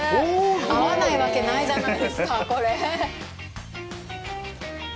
合わないわけないじゃないですか、これ。